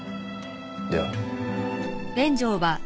では。